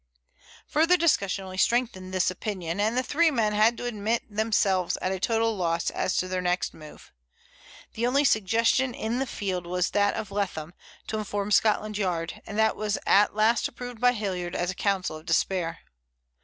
Further discussion only strengthened this opinion, and the three men had to admit themselves at a total loss as to their next move. The only suggestion in the field was that of Leatham, to inform Scotland Yard, and that was at last approved by Hilliard as a counsel of despair.